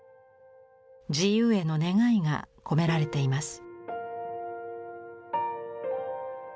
自由への願いが込められています。